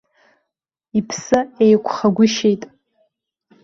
Иԥсы еиқәхагәышьеит.